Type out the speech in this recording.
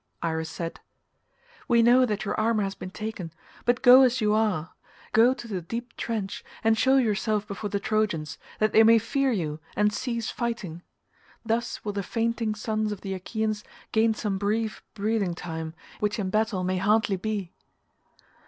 Iris said, "We know that your armour has been taken, but go as you are; go to the deep trench and show yourself before the Trojans, that they may fear you and cease fighting. Thus will the fainting sons of the Achaeans gain some brief breathing time, which in battle may hardly be."